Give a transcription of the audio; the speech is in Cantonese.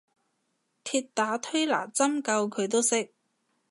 鐵打推拿針灸佢都識